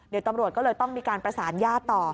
เดี๋ยวตำรวจก็เลยต้องมีการประสานญาติต่อ